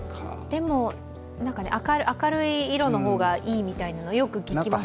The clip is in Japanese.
でも、明るい色の方がいいみたいなのよく聞きますよね。